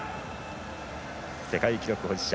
世界記録保持者